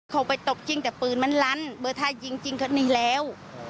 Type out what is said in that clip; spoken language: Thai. เขาไปตกจริงแต่ปืนมันลั้นเบอร์ถ้ายิงจริงก็หนีแล้ว